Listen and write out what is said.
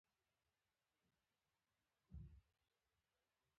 معاینه کیږي چې مختلف رنګونه اختیاروي.